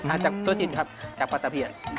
อ่าจากตัวจิตครับจากปลาตะเผียด